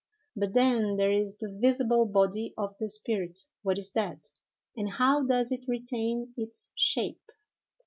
But, then, there is the visible body of the spirit—what is that, and how does it retain its shape?